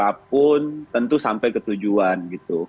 apapun tentu sampai ke tujuan gitu